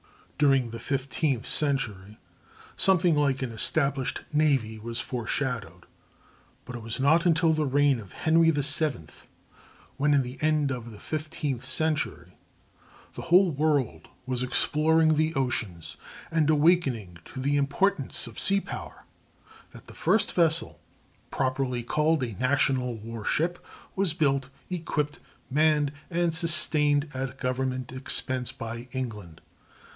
During the fifteenth century something like an established navy was foreshadowed; but it was not until the reign of Henry VII, when, at the end of the fifteenth century, the whole world was exploring the oceans and awakening to the importance of sea power, that the first vessel, properly called a national war ship, was built, equipped, manned, and sustained at government expense by England.